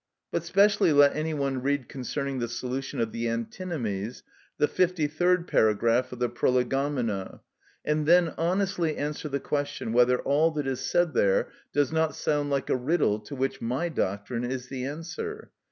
But specially let any one read concerning the solution of the antinomies the fifty third paragraph of the Prolegomena, and then honestly answer the question whether all that is said there does not sound like a riddle to which my doctrine is the answer.